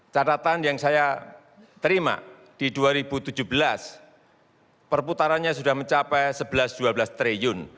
catatan yang saya terima di dua ribu tujuh belas perputarannya sudah mencapai rp sebelas dua belas triliun